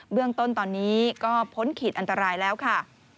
เรื่องต้นตอนนี้ก็พ้นขีดอันตรายแล้วค่ะ